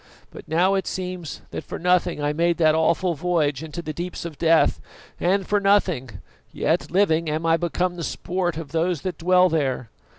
But now it seems that for nothing I made that awful voyage into the deeps of death; and for nothing, yet living, am I become the sport of those that dwell there.